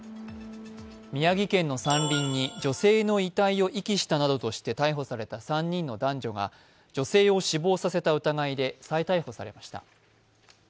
宮城県の山林に女性の遺体を遺棄したなどとして逮捕された３人の男女が女性を死亡させた疑いで再逮捕されました。